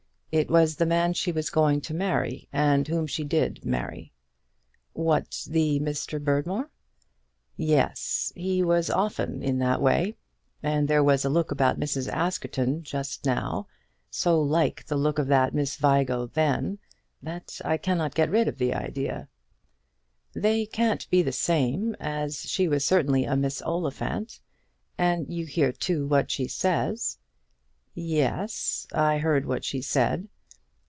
It was the man she was going to marry, and whom she did marry." "What; the Mr. Berdmore?" "Yes; he was often in that way. And there was a look about Mrs. Askerton just now so like the look of that Miss Vigo then, that I cannot get rid of the idea." "They can't be the same, as she was certainly a Miss Oliphant. And you hear, too, what she says." "Yes; I heard what she said.